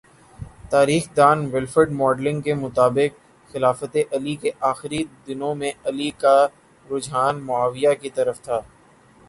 تاریخ دان Wilfred modelling کے مطابق خلافتِ علی کے آخری دنوں میں علی کا رجحان معاویہ کی طرف تھا